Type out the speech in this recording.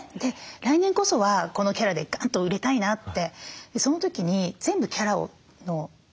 来年こそはこのキャラでガンと売れたいなって。